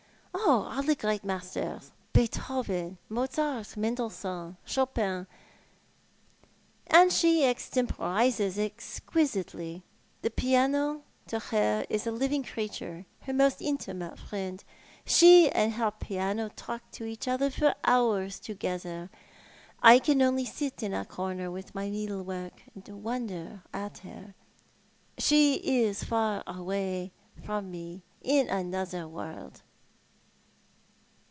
" Oh, all the great masters — Beethoven, Mozart, Mendelssohn, Chopin — and she extemporises exquisitely. The piano to her is a living creature, her most intimate friend. She and her piano talk to each other for hours together. I can only sit in a corner, at my needlework, and wonder at her. She is far away from me — in another world."